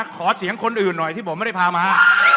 ขอเสียงคนอื่นหน่อยที่ผมไม่ได้พามา